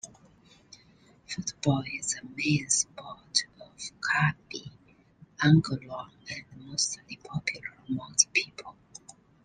Football is the main sport of Karbi Anglong and mostly popular among the people.